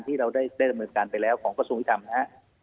ที่เราได้ดำเนินการไปแล้วของกระทรวงยุทธรรมนะครับ